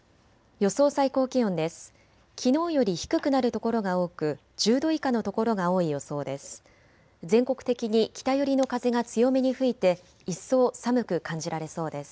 予想最高気温です。